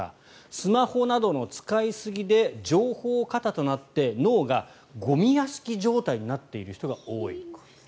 スマホなどの使いすぎで情報過多となって脳がゴミ屋敷状態になっている人が多い。